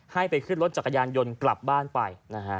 ให้ไปขึ้นรถจักรยานยนต์กลับบ้านไปนะฮะ